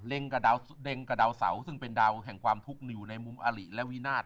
เด็งกับดาวเสาซึ่งเป็นดาวแห่งความทุกข์อยู่ในมุมอลิและวินาท